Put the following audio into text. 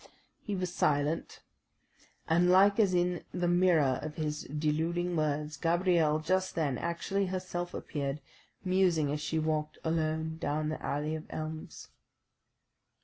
He was silent, and like as in the mirror of his deluding words, Gabrielle just then actually herself appeared, musing as she walked alone down the alley of elms.